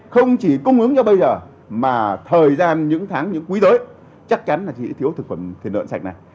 không chỉ cung ứng cho bây giờ mà thời gian những tháng những quý tới chắc chắn là chị thiếu thực phẩm thịt lợn sạch này